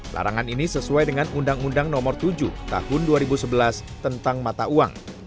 larangan ini sesuai dengan undang undang nomor tujuh tahun dua ribu sebelas tentang mata uang